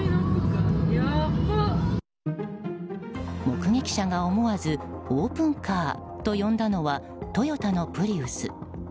目撃者が思わずオープンカーと呼んだのはトヨタのプリウス。